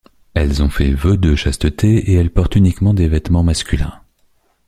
Elles ont fait vœu de chasteté et elles portent uniquement des vêtements masculins.